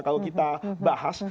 kalau kita bahas